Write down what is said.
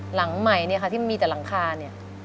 หลังใหม่เนี่ยค่ะที่มีแต่หลังคาเนี่ย